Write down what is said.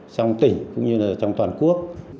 trong tỉnh cũng như trong toàn quốc